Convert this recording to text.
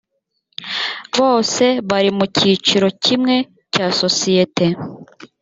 bose bari mu cyiciro kimwe cya sosiyete